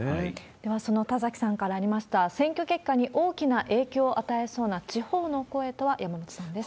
では、その田崎さんからありました、選挙結果に大きな影響を与えそうな地方の声とは、山本さんです。